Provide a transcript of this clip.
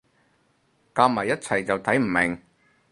夾埋一齊就睇唔明